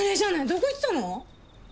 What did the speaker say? どこ行ってたの？